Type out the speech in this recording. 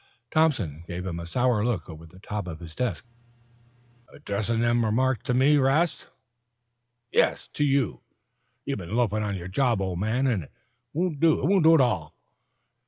Thompson gave him a sour look over the top of his desk. "Addressin' them remarks to me, 'Rast?" "Yes to you! You've been loafing on your job, old man, and it won't do it won't do at all.